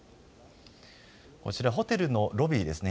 こちら、ホテルのロビーですね。